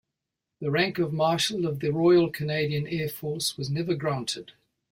The rank of marshal of the Royal Canadian Air Force was never granted.